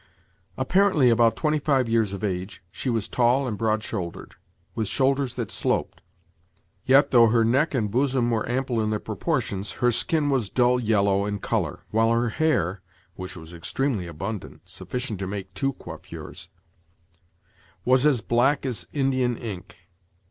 Apparently about twenty five years of age, she was tall and broad shouldered, with shoulders that sloped; yet though her neck and bosom were ample in their proportions, her skin was dull yellow in colour, while her hair (which was extremely abundant—sufficient to make two coiffures) was as black as Indian ink.